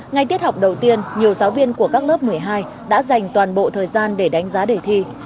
ngay tiết học đầu tiên nhiều giáo viên của các lớp một mươi hai đã dành toàn bộ thời gian để đánh giá đề thi